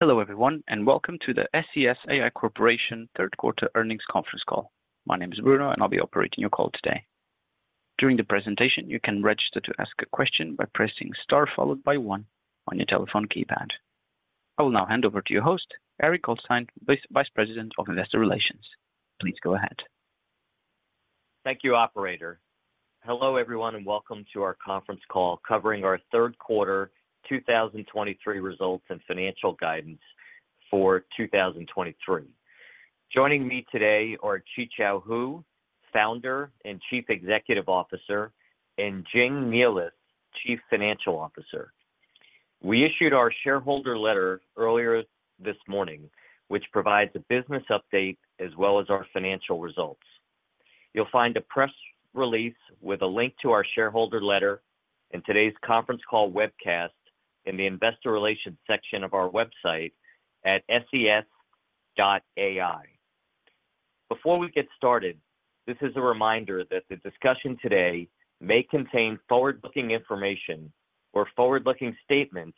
Hello, everyone, and welcome to the SES AI Corporation third quarter earnings conference call. My name is Bruno, and I'll be operating your call today. During the presentation, you can register to ask a question by pressing star followed by one on your telephone keypad. I will now hand over to your host, Eric Goldstein, Vice President of Investor Relations. Please go ahead. Thank you, operator. Hello, everyone, and welcome to our conference call covering our third quarter 2023 results and financial guidance for 2023. Joining me today are Qichao Hu, Founder and Chief Executive Officer, and Jing Nealis, Chief Financial Officer. We issued our shareholder letter earlier this morning, which provides a business update as well as our financial results. You'll find a press release with a link to our shareholder letter in today's conference call webcast in the Investor Relations section of our website at ses.ai. Before we get started, this is a reminder that the discussion today may contain forward-looking information or forward-looking statements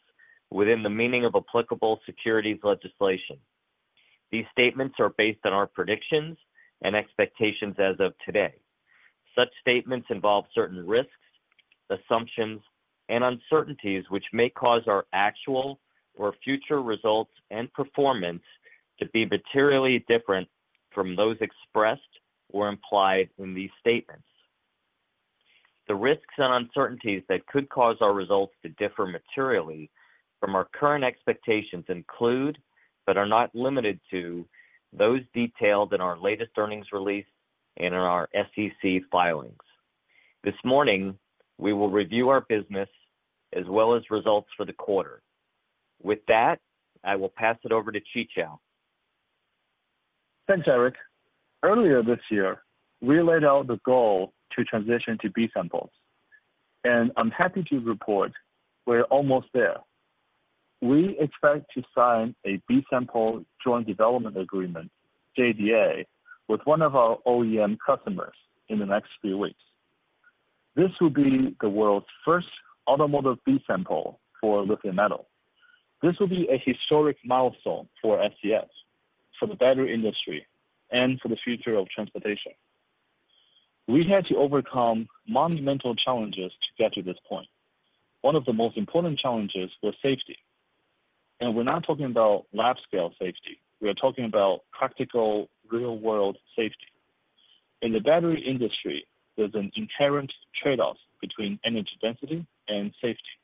within the meaning of applicable securities legislation. These statements are based on our predictions and expectations as of today. Such statements involve certain risks, assumptions, and uncertainties, which may cause our actual or future results and performance to be materially different from those expressed or implied in these statements. The risks and uncertainties that could cause our results to differ materially from our current expectations include, but are not limited to, those detailed in our latest earnings release and in our SEC filings. This morning, we will review our business as well as results for the quarter. With that, I will pass it over to Qichao. Thanks, Eric. Earlier this year, we laid out the goal to transition to B-samples, and I'm happy to report we're almost there. We expect to sign a B-sample joint development agreement, JDA, with one of our OEM customers in the next few weeks. This will be the world's first automotive B-sample for lithium metal. This will be a historic milestone for SES, for the battery industry, and for the future of transportation. We had to overcome monumental challenges to get to this point. One of the most important challenges was safety, and we're not talking about lab-scale safety. We are talking about practical, real-world safety. In the battery industry, there's an inherent trade-off between energy density and safety.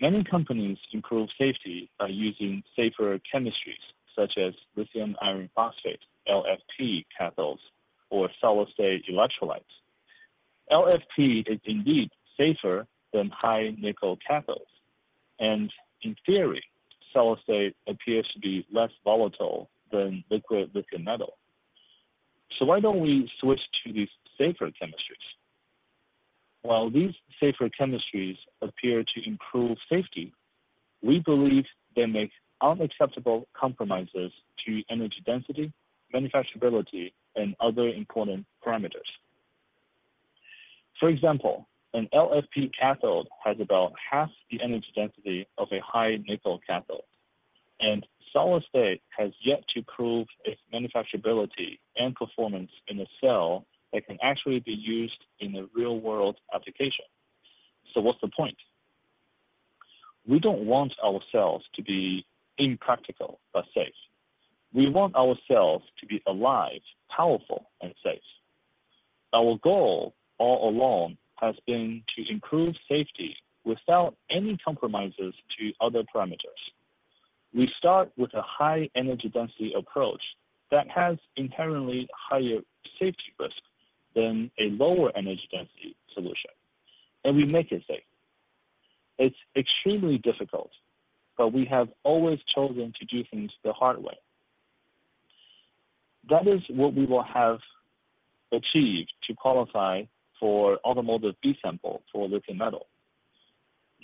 Many companies improve safety by using safer chemistries, such as lithium iron phosphate, LFP cathodes, or solid-state electrolytes. LFP is indeed safer than high nickel cathodes, and in theory, solid state appears to be less volatile than liquid lithium metal. So why don't we switch to these safer chemistries? While these safer chemistries appear to improve safety, we believe they make unacceptable compromises to energy density, manufacturability, and other important parameters. For example, an LFP cathode has about half the energy density of a high nickel cathode, and solid state has yet to prove its manufacturability and performance in a cell that can actually be used in a real-world application. So what's the point? We don't want our cells to be impractical, but safe. We want our cells to be alive, powerful, and safe. Our goal all along has been to improve safety without any compromises to other parameters. We start with a high energy density approach that has inherently higher safety risk than a lower energy density solution, and we make it safe. It's extremely difficult, but we have always chosen to do things the hard way. That is what we will have achieved to qualify for automotive B-sample for lithium-metal.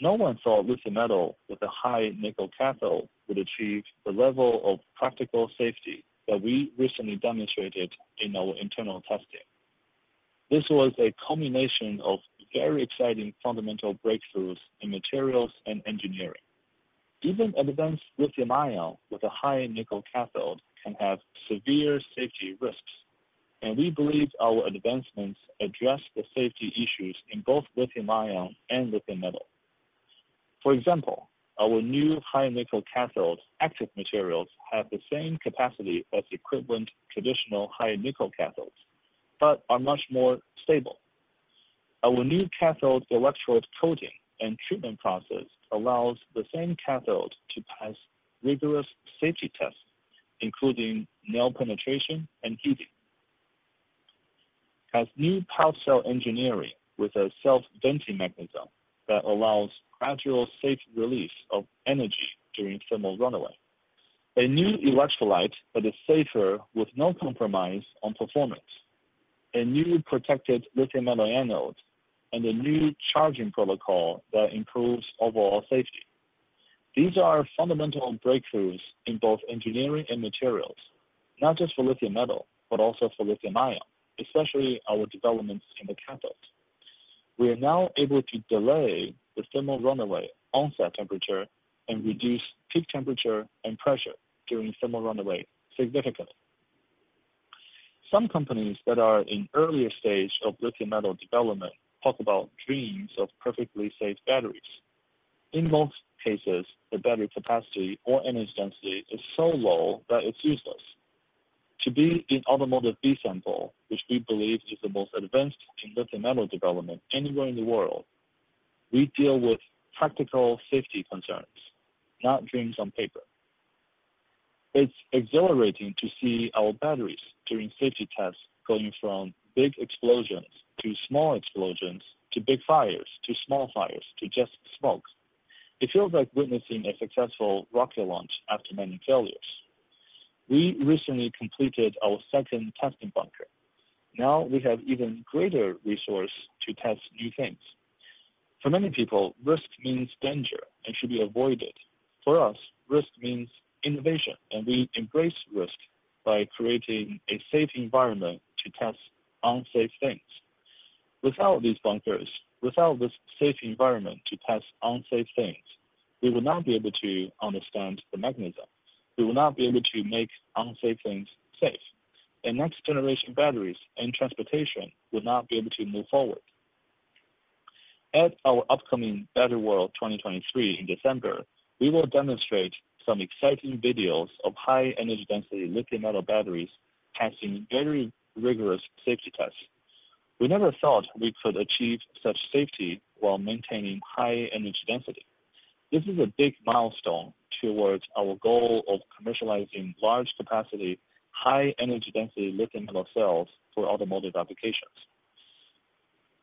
No one thought lithium-metal with a high nickel cathode would achieve the level of practical safety that we recently demonstrated in our internal testing. This was a culmination of very exciting fundamental breakthroughs in materials and engineering. Even advanced lithium-ion with a high nickel cathode can have severe safety risks, and we believe our advancements address the safety issues in both lithium-ion and lithium-metal. For example, our new high nickel cathode active materials have the same capacity as equivalent traditional high nickel cathodes, but are much more stable. Our new cathode electrode coating and treatment process allows the same cathode to pass rigorous safety tests, including nail penetration and heating, a new pouch cell engineering with a self-venting mechanism that allows gradual, safe release of energy during thermal runaway, a new electrolyte that is safer with no compromise on performance, a new protected lithium metal anode, and a new charging protocol that improves overall safety. These are fundamental breakthroughs in both engineering and materials, not just for lithium metal, but also for lithium ion, especially our developments in the cathodes... We are now able to delay the thermal runaway onset temperature and reduce peak temperature and pressure during thermal runaway significantly. Some companies that are in earlier stage of lithium metal development talk about dreams of perfectly safe batteries. In most cases, the battery capacity or energy density is so low that it's useless. To be in automotive B-sample, which we believe is the most advanced in lithium metal development anywhere in the world, we deal with practical safety concerns, not dreams on paper. It's exhilarating to see our batteries during safety tests, going from big explosions to small explosions, to big fires, to small fires, to just smoke. It feels like witnessing a successful rocket launch after many failures. We recently completed our second testing bunker. Now we have even greater resource to test new things. For many people, risk means danger and should be avoided. For us, risk means innovation, and we embrace risk by creating a safe environment to test unsafe things. Without these bunkers, without this safe environment to test unsafe things, we will not be able to understand the mechanism. We will not be able to make unsafe things safe, and next generation batteries and transportation will not be able to move forward. At our upcoming Battery World 2023 in December, we will demonstrate some exciting videos of high-energy density lithium metal batteries passing very rigorous safety tests. We never thought we could achieve such safety while maintaining high-energy density. This is a big milestone towards our goal of commercializing large capacity, high-energy density lithium metal cells for automotive applications.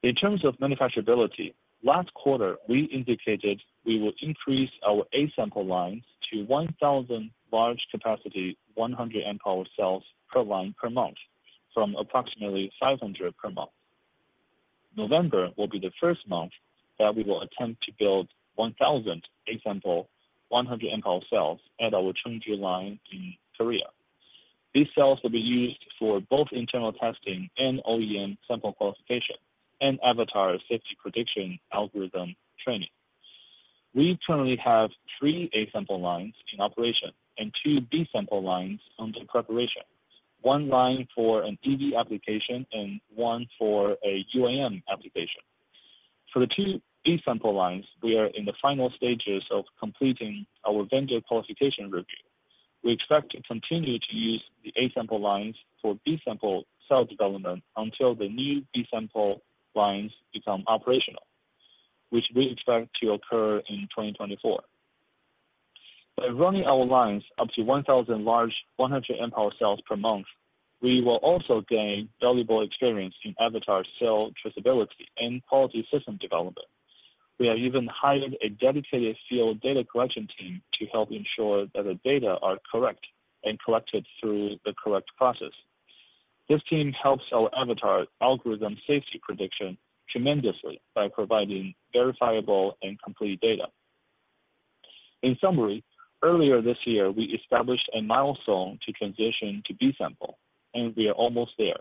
In terms of manufacturability, last quarter, we indicated we will increase our A-sample lines to 1,000 large capacity, 100 amp hour cells per line per month, from approximately 500 per month. November will be the first month that we will attempt to build 1,000 A-sample, 100 amp hour cells at our Chungju line in Korea. These cells will be used for both internal testing and OEM sample qualification, and Avatar safety prediction algorithm training. We currently have three A-sample lines in operation and two B-sample lines under preparation: one line for an EV application and one for a UAM application. For the two B-sample lines, we are in the final stages of completing our vendor qualification review. We expect to continue to use the A-sample lines for B-sample cell development until the new B-sample lines become operational, which we expect to occur in 2024. By running our lines up to 1,000 large, 100 amp-hour cells per month, we will also gain valuable experience in Avatar cell traceability and quality system development. We have even hired a dedicated field data collection team to help ensure that the data are correct and collected through the correct process. This team helps our Avatar algorithm safety prediction tremendously by providing verifiable and complete data. In summary, earlier this year, we established a milestone to transition to B-sample, and we are almost there.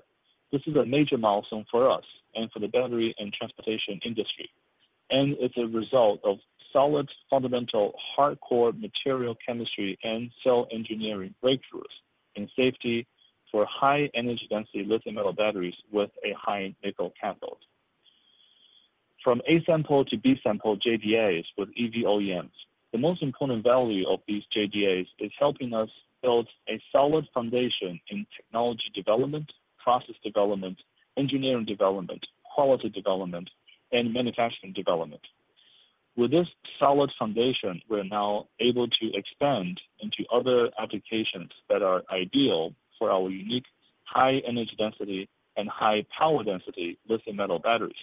This is a major milestone for us and for the battery and transportation industry, and it's a result of solid, fundamental, hardcore material chemistry and cell engineering breakthroughs in safety for high-energy density lithium metal batteries with a high nickel cathode. From A-sample to B-sample JDAs with EV OEMs, the most important value of these JDAs is helping us build a solid foundation in technology development, process development, engineering development, quality development, and manufacturing development. With this solid foundation, we're now able to expand into other applications that are ideal for our unique high-energy density and high power density lithium metal batteries,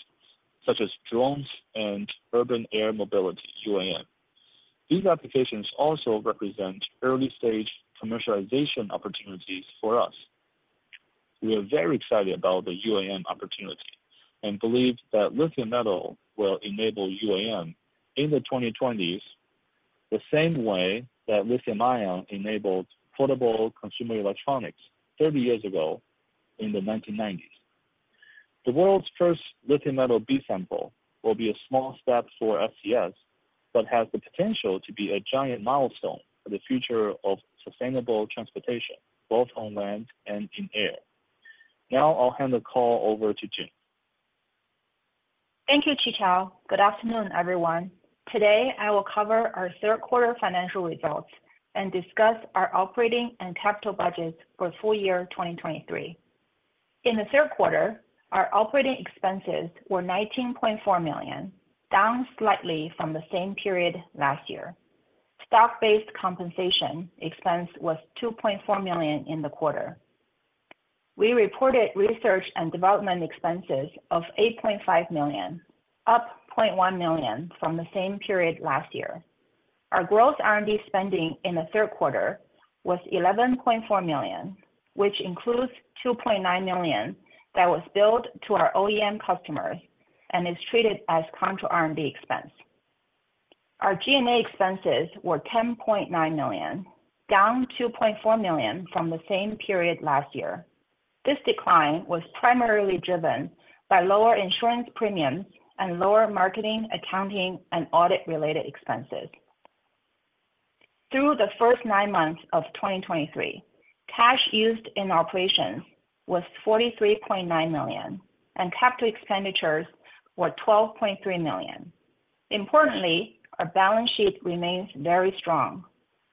such as drones and urban air mobility, UAM. These applications also represent early-stage commercialization opportunities for us. We are very excited about the UAM opportunity and believe that lithium metal will enable UAM in the 2020s, the same way that lithium-ion enabled portable consumer electronics thirty years ago in the 1990s. The world's first lithium metal B-sample will be a small step for SES, but has the potential to be a giant milestone for the future of sustainable transportation, both on land and in air. Now I'll hand the call over to Jing Nealis. Thank you, Qichao. Good afternoon, everyone. Today, I will cover our third quarter financial results and discuss our operating and capital budgets for full year 2023. In the third quarter, our operating expenses were $19.4 million, down slightly from the same period last year. Stock-based compensation expense was $2.4 million in the quarter. We reported research and development expenses of $8.5 million, up $0.1 million from the same period last year. Our gross R&D spending in the third quarter was $11.4 million, which includes $2.9 million that was billed to our OEM customers and is treated as contra R&D expense.... Our G&A expenses were $10.9 million, down $2.4 million from the same period last year. This decline was primarily driven by lower insurance premiums and lower marketing, accounting, and audit-related expenses. Through the first nine months of 2023, cash used in operations was $43.9 million, and capital expenditures were $12.3 million. Importantly, our balance sheet remains very strong.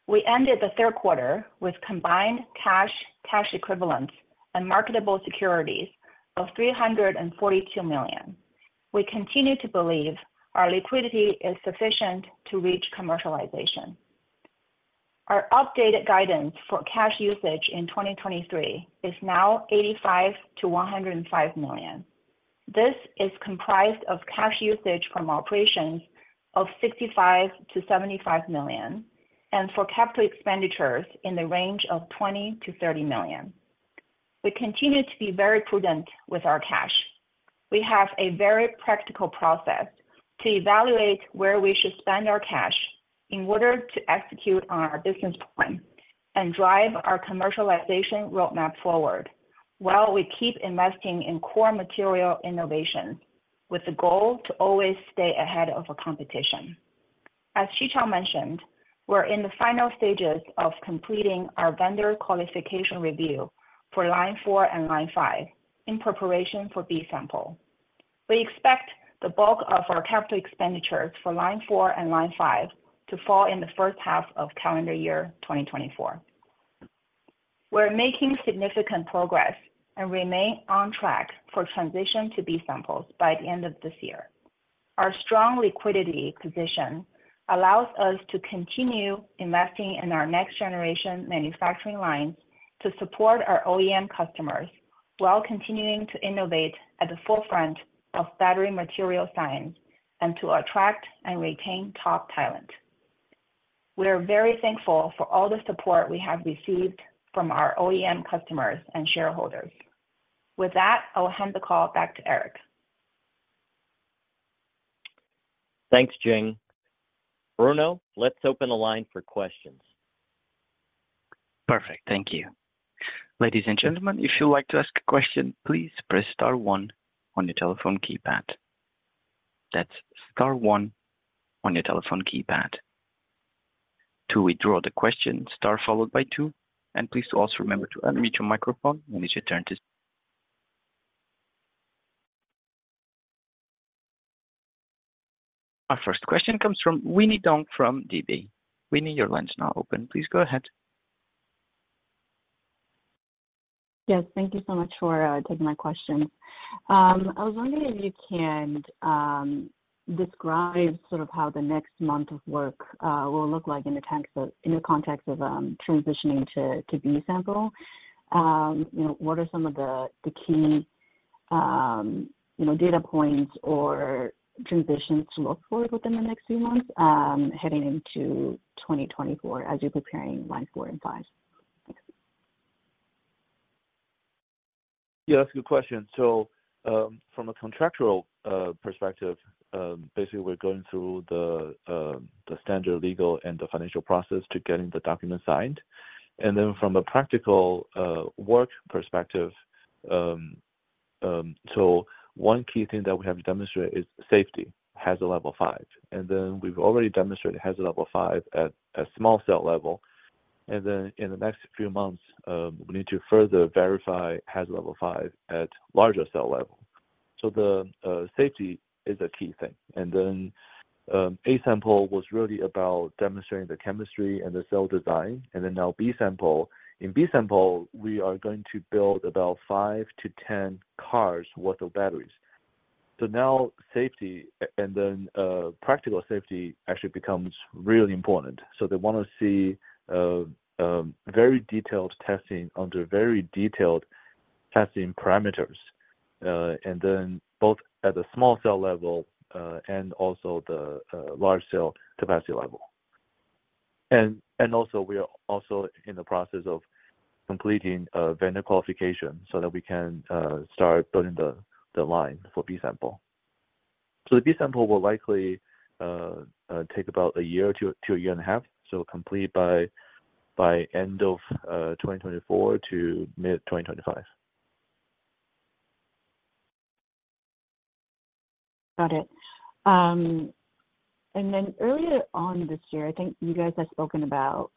We ended the third quarter with combined cash, cash equivalents, and marketable securities of $342 million. We continue to believe our liquidity is sufficient to reach commercialization. Our updated guidance for cash usage in 2023 is now $85 million-$105 million. This is comprised of cash usage from operations of $65 million-$75 million, and for capital expenditures in the range of $20 million-$30 million. We continue to be very prudent with our cash. We have a very practical process to evaluate where we should spend our cash in order to execute on our business plan and drive our commercialization roadmap forward, while we keep investing in core material innovation, with the goal to always stay ahead of the competition. As Qichao mentioned, we're in the final stages of completing our vendor qualification review for line 4 and line 5 in preparation for B-sample. We expect the bulk of our capital expenditures for line 4 and line 5 to fall in the first half of calendar year 2024. We're making significant progress and remain on track for transition to B-samples by the end of this year. Our strong liquidity position allows us to continue investing in our next-generation manufacturing lines to support our OEM customers, while continuing to innovate at the forefront of battery material science and to attract and retain top talent. We are very thankful for all the support we have received from our OEM customers and shareholders. With that, I'll hand the call back to Eric. Thanks, Jing. Bruno, let's open the line for questions. Perfect. Thank you. Ladies and gentlemen, if you'd like to ask a question, please press star one on your telephone keypad. That's star one on your telephone keypad. To withdraw the question, star followed by two, and please also remember to unmute your microphone when it's your turn to- Our first question comes from Winnie Dong from DB. Winnie, your line is now open. Please go ahead. Yes, thank you so much for taking my question. I was wondering if you can describe sort of how the next month of work will look like in the context of, in the context of, transitioning to, to B-sample. You know, what are some of the, the key, you know, data points or transitions to look for within the next few months, heading into 2024 as you're preparing line four and five? Thanks. Yeah, that's a good question. So, from a contractual perspective, basically, we're going through the the standard legal and the financial process to getting the document signed. And then from a practical work perspective, so one key thing that we have demonstrated is safety, Hazard Level five. And then we've already demonstrated Hazard Level five at a small cell level, and then in the next few months, we need to further verify Hazard Level five at larger cell level. So the safety is a key thing. And then A-sample was really about demonstrating the chemistry and the cell design, and then now B-sample. In B-sample, we are going to build about 5-10 cars worth of batteries. So now safety and then practical safety actually becomes really important. So they wanna see very detailed testing under very detailed testing parameters, and then both at the small cell level and also the large cell capacity level. We are also in the process of completing a vendor qualification so that we can start building the line for B-sample. The B-sample will likely take about a year to a year and a half, so complete by end of 2024 to mid-2025. Got it. And then earlier on this year, I think you guys have spoken about,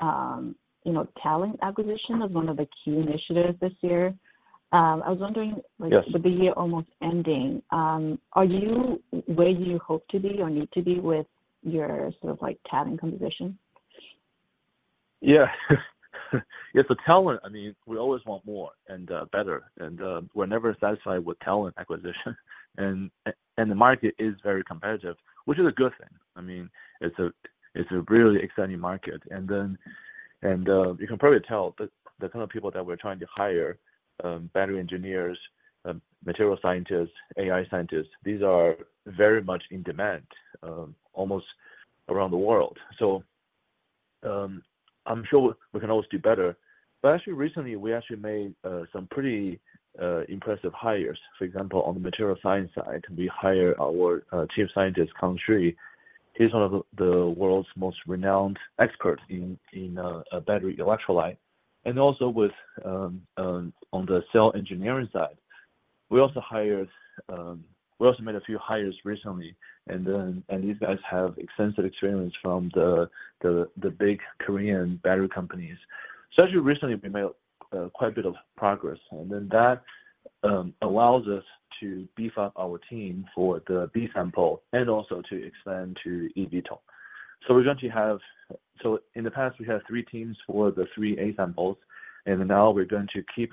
you know, talent acquisition as one of the key initiatives this year. I was wondering, like- Yes... with the year almost ending, are you where you hope to be or need to be with your sort of, like, talent acquisition? Yeah. Yes, so talent, I mean, we always want more and better, and we're never satisfied with talent acquisition, and the market is very competitive, which is a good thing. I mean, it's a really exciting market. And then, you can probably tell that the kind of people that we're trying to hire, battery engineers, material scientists, AI scientists, these are very much in demand, almost around the world. I'm sure we can always do better. But actually recently, we actually made some pretty impressive hires. For example, on the material science side, we hire our Chief Scientist, Kang Xu. He's one of the world's most renowned experts in battery electrolyte. And also, on the cell engineering side, we also hired. We also made a few hires recently, and these guys have extensive experience from the big Korean battery companies. So actually recently, we made quite a bit of progress, and that allows us to beef up our team for the B-sample and also to expand to eVTOL. So in the past, we had three teams for the three A-samples, and now we're going to keep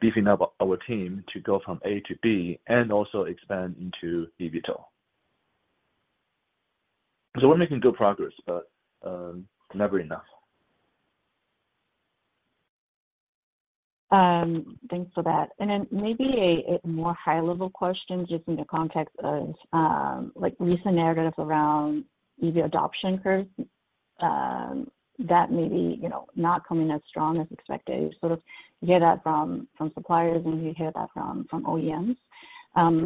beefing up our team to go from A to B and also expand into eVTOL. So we're making good progress, but never enough. Thanks for that. And then maybe a more high-level question, just in the context of, like recent narratives around EV adoption curves, that may be, you know, not coming as strong as expected. You sort of hear that from suppliers, and you hear that from OEMs.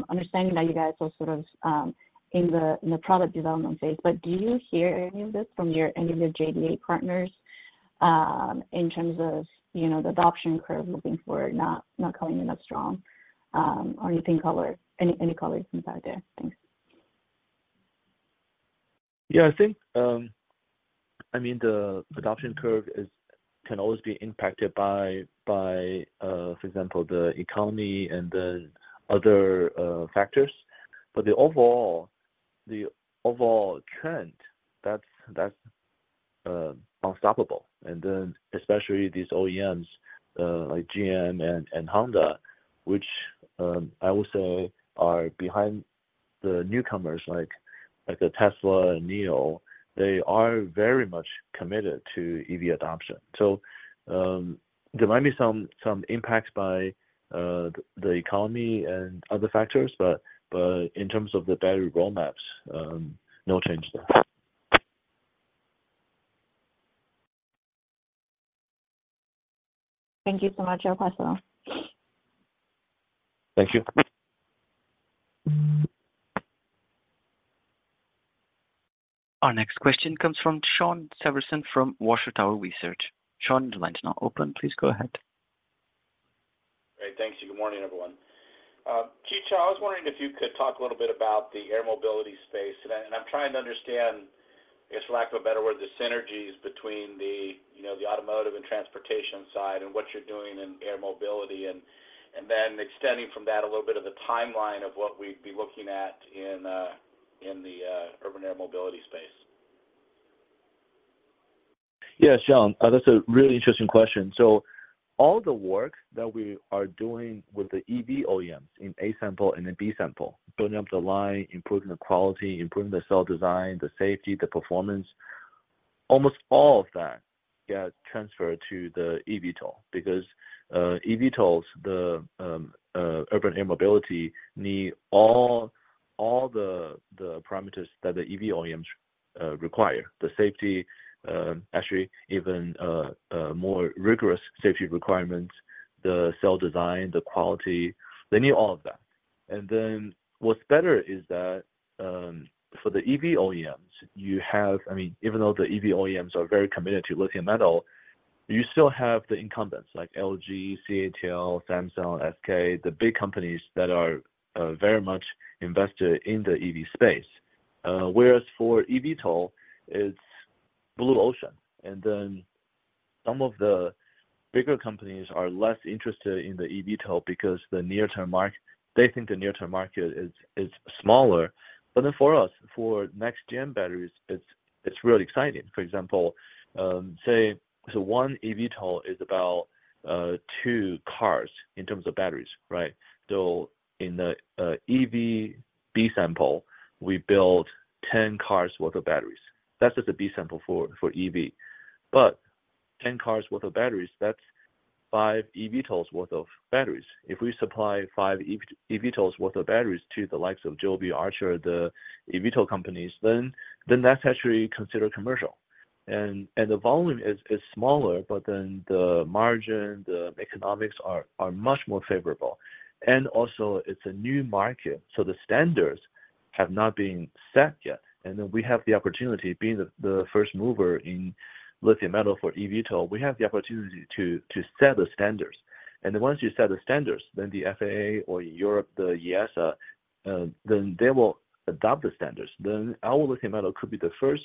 Understanding that you guys are sort of in the product development phase, but do you hear any of this from your, any of your JDA partners, in terms of, you know, the adoption curve looking for not coming in as strong, or you can color, any color you can add there? Thanks. Yeah, I think, I mean, the adoption curve can always be impacted by, for example, the economy and the other factors. But the overall trend, that's unstoppable. And then, especially these OEMs, like GM and Honda, which I would say are behind the newcomers like the Tesla and NIO, they are very much committed to EV adoption. So, there might be some impacts by the economy and other factors, but in terms of the battery roadmaps, no change there. Thank you so much, Alfonso. Thank you. Our next question comes from Sean Severson from Water Tower Research. Sean, the line is now open. Please go ahead. Great. Thank you. Good morning, everyone. Qichao, I was wondering if you could talk a little bit about the air mobility space, and I, and I'm trying to understand, I guess, lack of a better word, the synergies between the, you know, the automotive and transportation side and what you're doing in air mobility, and, and then extending from that, a little bit of the timeline of what we'd be looking at in, in the, urban air mobility space? Yes, Sean, that's a really interesting question. So all the work that we are doing with the EV OEMs in A-sample and in B-sample, building up the line, improving the quality, improving the cell design, the safety, the performance, almost all of that get transferred to the eVTOL, because eVTOLs, the urban air mobility, need all the parameters that the EV OEMs require. The safety, actually, even more rigorous safety requirements, the cell design, the quality, they need all of that. And then what's better is that, for the EV OEMs, you have, I mean, even though the EV OEMs are very committed to lithium metal, you still have the incumbents like LG, CATL, Samsung, SK, the big companies that are very much invested in the EV space. Whereas for eVTOL, it's blue ocean, and then some of the bigger companies are less interested in the eVTOL because the near-term market, they think the near-term market is smaller. But then for us, for next-gen batteries, it's really exciting. For example, say, so one eVTOL is about two cars in terms of batteries, right? So in the EV B-sample, we build 10 cars worth of batteries. That's just a B-sample for EV. But 10 cars worth of batteries, that's five eVTOLs worth of batteries. If we supply five eVTOLs worth of batteries to the likes of Joby, Archer, the eVTOL companies, then that's actually considered commercial. And the volume is smaller, but then the margin, the economics are much more favorable. And also, it's a new market, so the standards have not been set yet. Then we have the opportunity, being the, the first mover in lithium metal for eVTOL, we have the opportunity to, to set the standards. Then once you set the standards, then the FAA or Europe, the EASA, then they will adopt the standards. Then our lithium metal could be the first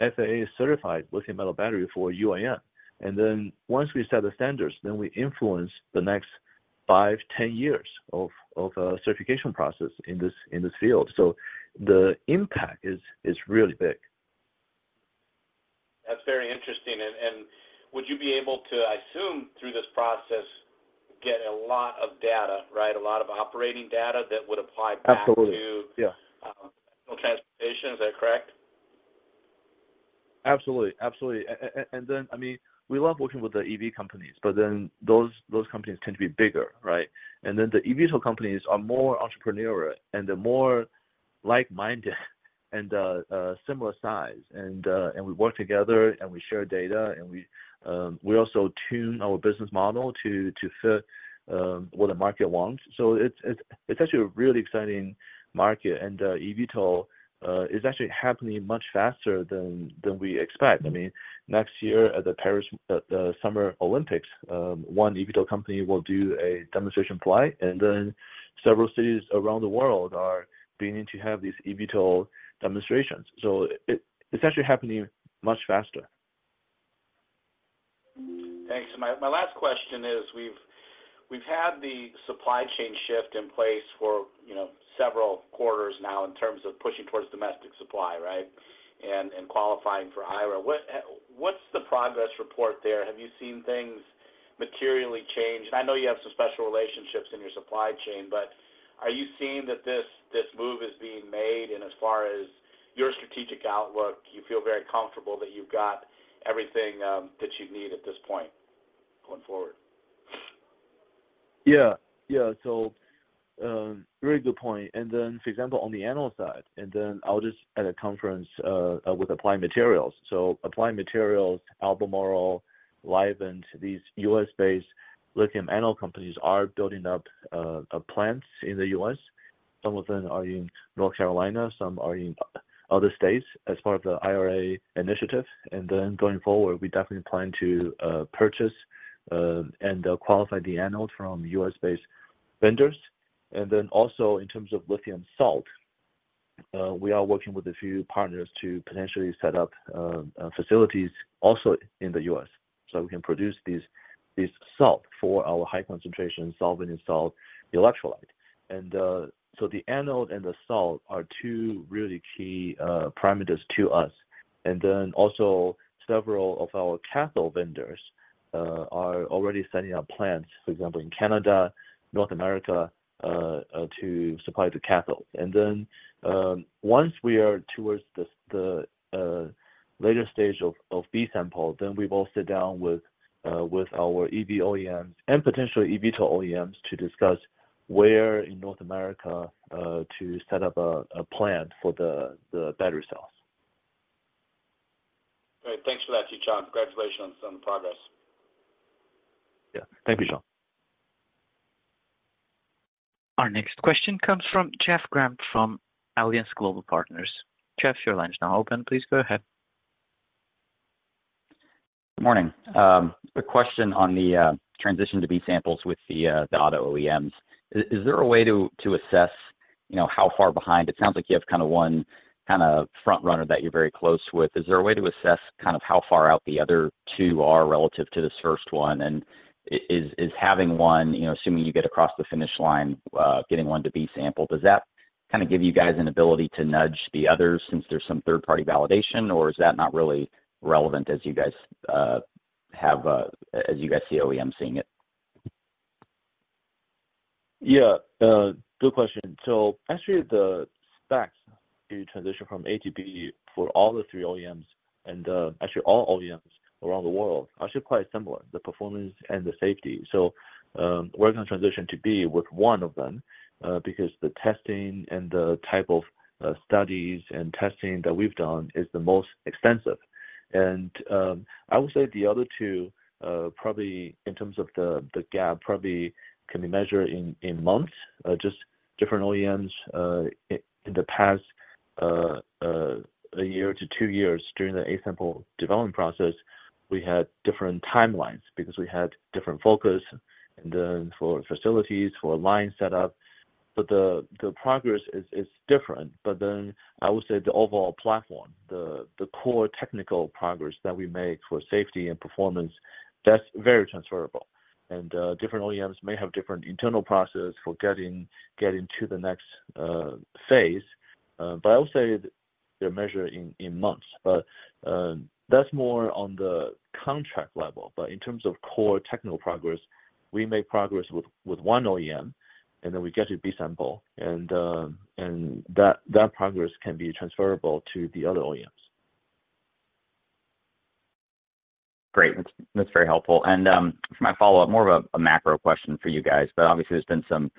FAA-certified lithium metal battery for UAM. Then once we set the standards, then we influence the next 5, 10 years of, of, certification process in this, in this field. So the impact is, is really big. That's very interesting. Would you be able to, I assume, through this process, get a lot of data, right? A lot of operating data that would apply back to- Absolutely. Yeah. Transportation, is that correct? Absolutely. Absolutely. And then, I mean, we love working with the EV companies, but then those companies tend to be bigger, right? And then the eVTOL companies are more entrepreneurial, and they're more like-minded and similar size. And we work together, and we share data, and we also tune our business model to fit what the market wants. So it's actually a really exciting market, and eVTOL is actually happening much faster than we expect. I mean, next year at the Paris Summer Olympics, one eVTOL company will do a demonstration flight, and then several cities around the world are beginning to have these eVTOL demonstrations. So it's actually happening much faster. Thanks. My last question is: we've had the supply chain shift in place for, you know, several quarters now in terms of pushing towards domestic supply, right, and qualifying for IRA. What's the progress report there? Have you seen things materially change? I know you have some special relationships in your supply chain, but are you seeing that this move is being made, and as far as your strategic outlook, you feel very comfortable that you've got everything that you need at this point going forward? Yeah. Yeah, so, very good point. And then, for example, on the anode side, and then I was just at a conference with Applied Materials. So Applied Materials, Albemarle, Livent, these U.S.-based lithium anode companies are building up plants in the U.S. Some of them are in North Carolina, some are in other states as part of the IRA initiative. And then going forward, we definitely plan to purchase and qualify the anode from U.S.-based vendors. And then also in terms of lithium salt, we are working with a few partners to potentially set up facilities also in the U.S., so we can produce these salt for our high concentration solvent and salt electrolyte. And so the anode and the salt are two really key parameters to us. Several of our cathode vendors are already setting up plants, for example, in Canada, North America, to supply the cathode. Once we are towards the later stage of B-sample, we will sit down with our EV OEMs and potentially eVTOL OEMs to discuss where in North America to set up a plant for the battery cells. Great. Thanks for that, Qichao. Congratulations on the progress. Yeah. Thank you, Sean. Our next question comes from Jeff Grampp from Alliance Global Partners. Jeff, your line is now open. Please go ahead. Good morning. A question on the transition to B-samples with the auto OEMs. Is there a way to assess, you know, how far behind? It sounds like you have kind of one kind of front runner that you're very close with. Is there a way to assess kind of how far out the other two are relative to this first one? And is having one, you know, assuming you get across the finish line, getting one to B-sample, does that kind of give you guys an ability to nudge the others since there's some third-party validation, or is that not really relevant as you guys have as you guys see OEMs seeing it? Yeah, good question. So actually, the specs to transition from A-sample to B-sample for all the 3 OEMs, and, actually all OEMs around the world, are actually quite similar, the performance and the safety. So, we're gonna transition to B-sample with one of them, because the testing and the type of, studies and testing that we've done is the most extensive. And, I would say the other two, probably in terms of the, the gap, probably can be measured in, in months, just different OEMs, in the past, a year to 2 years during the A-sample development process, we had different timelines because we had different focus, and then for facilities, for line setup. But the progress is different, but then I would say the overall platform, the core technical progress that we make for safety and performance, that's very transferable. And different OEMs may have different internal processes for getting to the next phase, but I would say they're measured in months. But that's more on the contract level. But in terms of core technical progress, we make progress with one OEM, and then we get to B-sample, and that progress can be transferable to the other OEMs. Great. That's, that's very helpful. And for my follow-up, more of a macro question for you guys, but obviously there's been some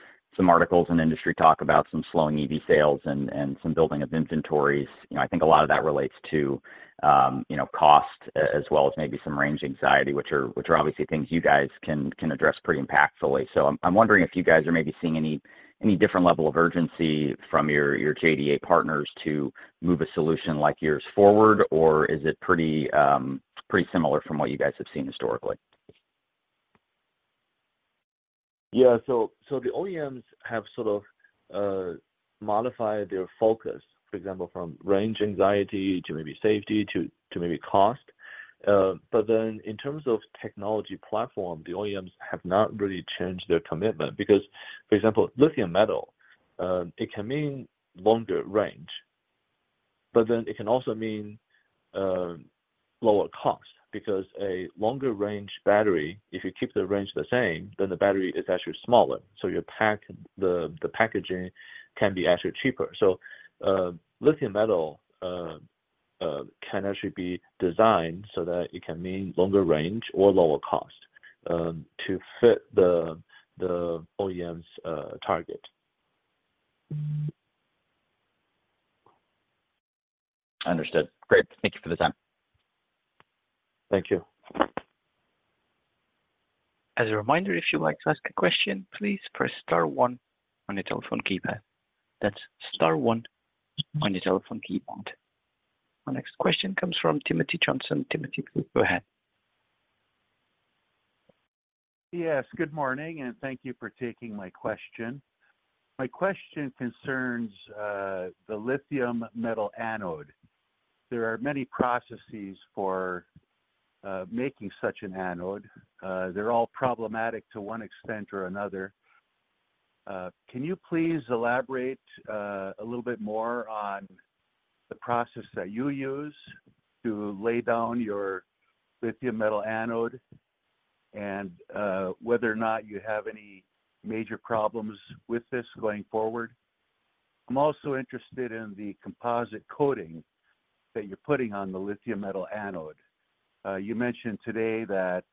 articles and industry talk about some slowing EV sales and some building of inventories. You know, I think a lot of that relates to cost as well as maybe some range anxiety, which are obviously things you guys can address pretty impactfully. So I'm wondering if you guys are maybe seeing any different level of urgency from your JDA partners to move a solution like yours forward, or is it pretty similar from what you guys have seen historically? Yeah. So the OEMs have sort of modified their focus, for example, from range anxiety to maybe safety to maybe cost. But then in terms of technology platform, the OEMs have not really changed their commitment, because, for example, lithium metal it can mean longer range, but then it can also mean lower cost, because a longer range battery, if you keep the range the same, then the battery is actually smaller, so your pack, the packaging can be actually cheaper. So lithium metal can actually be designed so that it can mean longer range or lower cost to fit the OEM's target. Understood. Great. Thank you for the time. Thank you. As a reminder, if you'd like to ask a question, please press star one on your telephone keypad. That's star one on your telephone keypad. Our next question comes from Timothy Johnson. Timothy, please go ahead. Yes, good morning, and thank you for taking my question. My question concerns the lithium metal anode. There are many processes for making such an anode. They're all problematic to one extent or another. Can you please elaborate a little bit more on the process that you use to lay down your lithium metal anode, and whether or not you have any major problems with this going forward? I'm also interested in the composite coating that you're putting on the lithium metal anode. You mentioned today that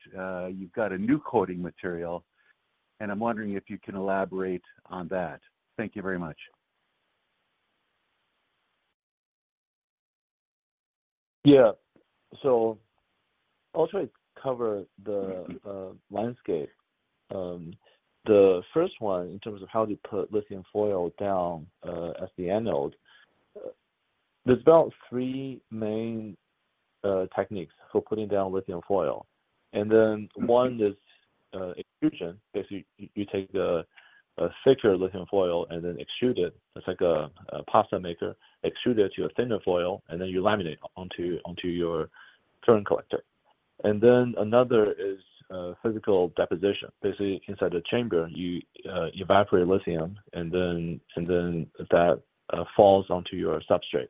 you've got a new coating material, and I'm wondering if you can elaborate on that. Thank you very much. Yeah. So I'll try to cover the landscape. The first one, in terms of how to put lithium foil down, as the anode, there's about three main techniques for putting down lithium foil. And then one is extrusion. Basically, you take the thicker lithium foil and then extrude it. It's like a pasta maker, extrude it to a thinner foil, and then you laminate onto your current collector. And then another is physical deposition. Basically, inside the chamber, you evaporate lithium, and then that falls onto your substrate.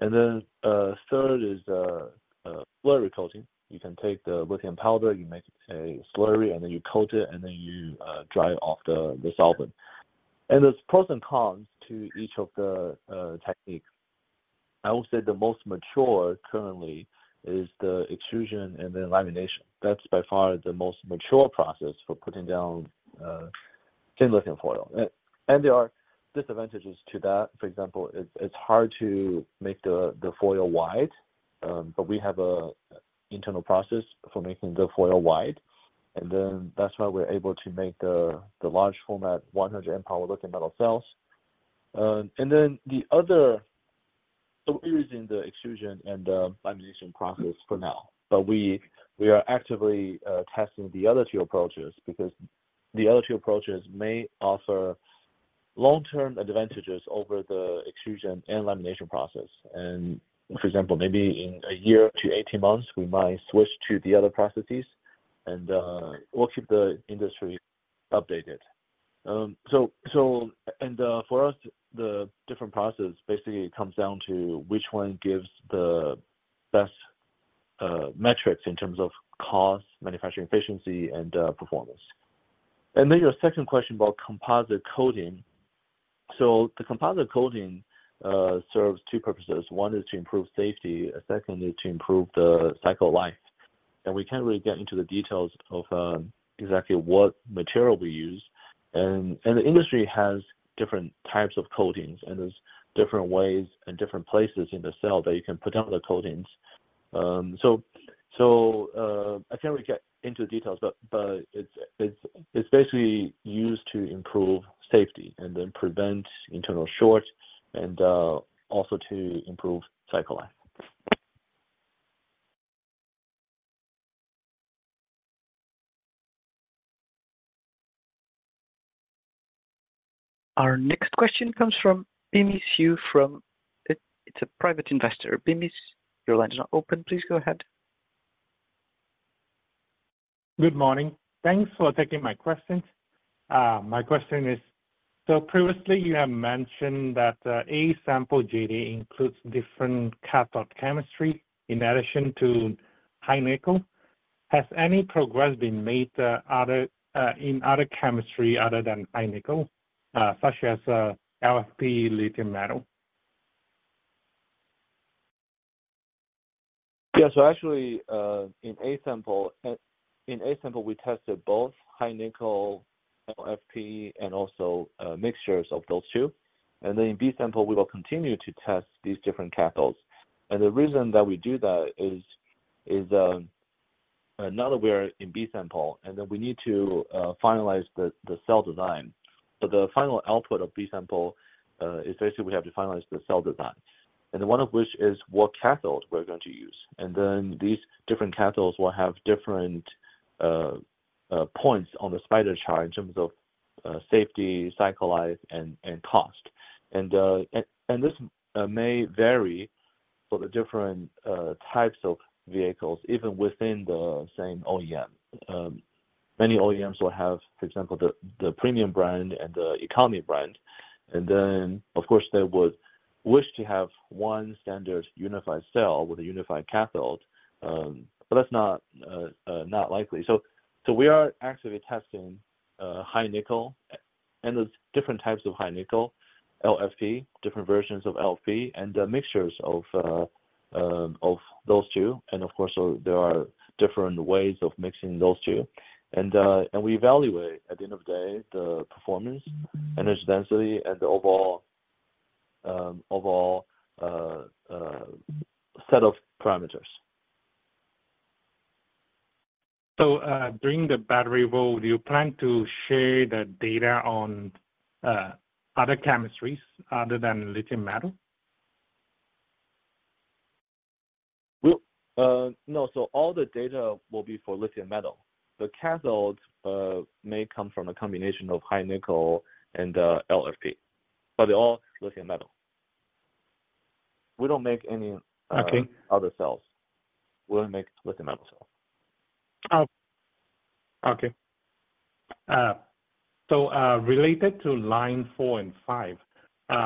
And then third is slurry coating. You can take the lithium powder, you make a slurry, and then you coat it, and then you dry off the solvent. And there's pros and cons to each of the techniques. I will say the most mature currently is the extrusion and then lamination. That's by far the most mature process for putting down thin lithium foil. And there are disadvantages to that. For example, it's hard to make the foil wide, but we have an internal process for making the foil wide, and then that's why we're able to make the large format 100 amp-hour lithium-metal cells. So we're using the extrusion and the lamination process for now, but we are actively testing the other two approaches because the other two approaches may offer long-term advantages over the extrusion and lamination process. And for example, maybe in a year to 18 months, we might switch to the other processes, and we'll keep the industry updated. For us, the different processes basically comes down to which one gives the best metrics in terms of cost, manufacturing efficiency, and performance. And then your second question about composite coating. So the composite coating serves two purposes: one is to improve safety, secondly, to improve the cycle life. And we can't really get into the details of exactly what material we use, and the industry has different types of coatings, and there's different ways and different places in the cell that you can put down the coatings. So, I can't really get into the details, but it's basically used to improve safety and then prevent internal short, and also to improve cycle life. Our next question comes from Bemis Hu from... It's a private investor. Bemis, your line is now open. Please go ahead. Good morning. Thanks for taking my questions. My question is, so previously you have mentioned that A-sample JDA includes different cathode chemistry in addition to high nickel. Has any progress been made in other chemistry other than high nickel, such as LFP lithium metal? Yeah, so actually, in A-sample, in A-sample, we tested both high nickel, LFP, and also mixtures of those two. And then in B-sample, we will continue to test these different cathodes. And the reason that we do that is now that we're in B-sample, and then we need to finalize the cell design. But the final output of B-sample is basically we have to finalize the cell design, and one of which is what cathodes we're going to use. And then these different cathodes will have different points on the spider chart in terms of safety, cycle life, and cost. And this may vary for the different types of vehicles, even within the same OEM. Many OEMs will have, for example, the premium brand and the economy brand, and then, of course, they would wish to have one standard unified cell with a unified cathode, but that's not likely. So we are actively testing high nickel, and there's different types of high nickel, LFP, different versions of LFP, and the mixtures of those two. And of course, so there are different ways of mixing those two. And we evaluate, at the end of the day, the performance, energy density, and the overall set of parameters. During the battery roll, do you plan to share the data on other chemistries other than lithium metal? Well, no. So all the data will be for lithium metal. The cathodes may come from a combination of high nickel and LFP, but they're all lithium metal. We don't make any- Okay. other cells. We only make lithium metal cells. Oh, okay. So, related to line 4 and 5,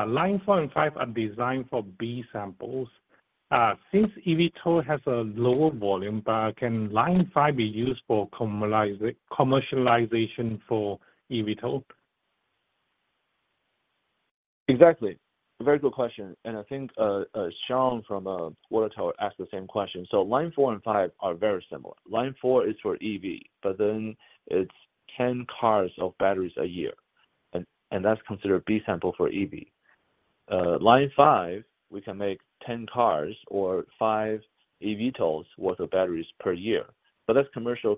line 4 and five are designed for B-samples. Since eVTOL has a lower volume bar, can line 5 be used for commercialization for eVTOL? Exactly. A very good question, and I think, Sean from Water Tower Research asked the same question. So line four and five are very similar. Line four is for EV, but then it's 10 cars of batteries a year, and that's considered a B sample for EV. Line five, we can make ten cars or five eVTOLs worth of batteries per year, but that's commercial,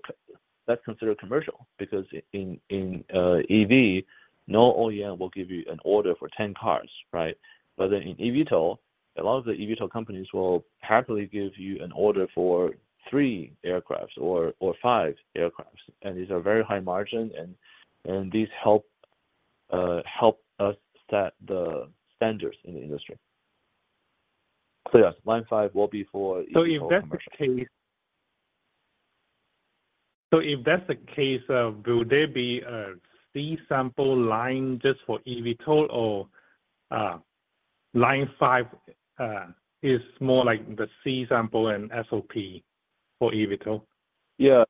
that's considered commercial, because in EV, no OEM will give you an order for 10 cars, right? But then in eVTOL, a lot of the eVTOL companies will happily give you an order for 3 aircrafts or 5 aircrafts, and these are very high margin, and these help us set the standards in the industry. So yes, line five will be for eVTOL commercial. So if that's the case, so if that's the case, will there be a C-sample line just for eVTOL, or line five is more like the C-sample and SOP for eVTOL? Yeah.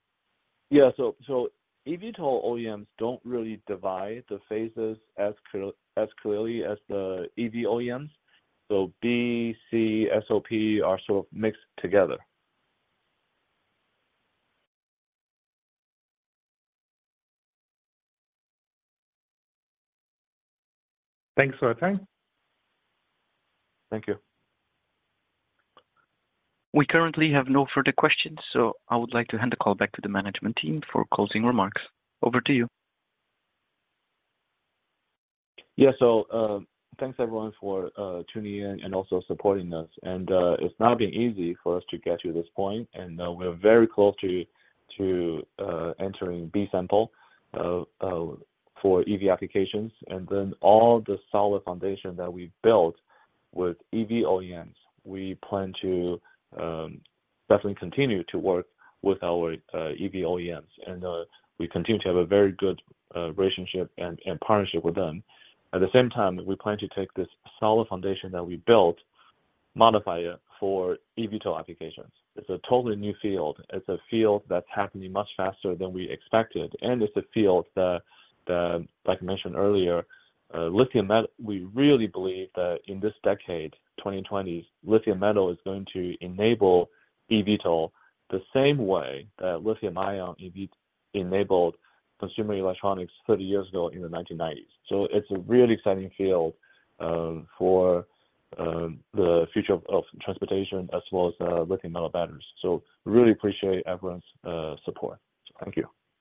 Yeah, so, so eVTOL OEMs don't really divide the phases as clear, as clearly as the EV OEMs. So B, C, SOP are sort of mixed together. Thanks for your time. Thank you. We currently have no further questions, so I would like to hand the call back to the management team for closing remarks. Over to you. Yeah, so, thanks everyone for tuning in and also supporting us. And, it's not been easy for us to get to this point, and, we're very close to entering B-sample for EV applications. And then all the solid foundation that we've built with EV OEMs, we plan to definitely continue to work with our EV OEMs, and, we continue to have a very good relationship and partnership with them. At the same time, we plan to take this solid foundation that we built, modify it for eVTOL applications. It's a totally new field. It's a field that's happening much faster than we expected, and it's a field that, like I mentioned earlier, lithium metal, we really believe that in this decade, 2020s, lithium metal is going to enable eVTOL the same way that lithium ion EV enabled consumer electronics 30 years ago in the 1990s. So it's a really exciting field for the future of transportation as well as lithium metal batteries. So really appreciate everyone's support. Thank you.